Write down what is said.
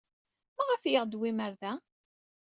Maɣef ay aɣ-d-tewwim ɣer da?